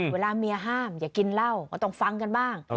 เวลาเมียห้ามอย่ากินเหล้าก็ต้องฟังกันบ้าง